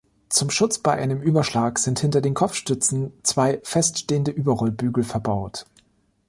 Zum Schutz bei einem Überschlag sind hinter den Kopfstützen zwei feststehende Überrollbügel verbaut.